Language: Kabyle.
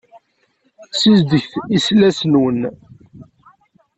Sizedget iselas-nwen.